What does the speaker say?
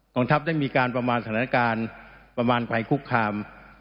ทัพได้มีการประมาณสถานการณ์ประมาณภัยคุกคาม